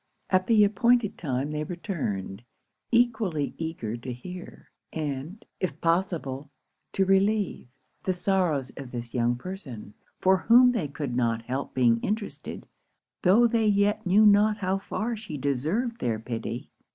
At the appointed time they returned; equally eager to hear, and, if possible, to relieve, the sorrows of this young person, for whom they could not help being interested, tho' they yet knew not how far she deserved their pity.